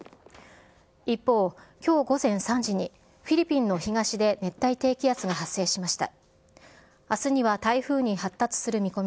一方、きょう午前３時に、フィリピンの東で熱帯低気圧が発生しました。